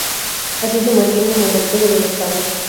Así se mantiene el monopolio del Estado.